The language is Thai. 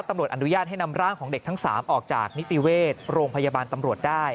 ตำรวจอนุญาตให้นำร่างของเด็กทั้ง๓ออกจากนิติเวชโรงพยาบาลตำรวจได้